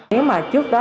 nếu mà trước đó